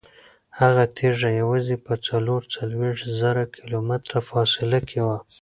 هغه تیږه یوازې په څلور څلوېښت زره کیلومتره فاصله کې وه.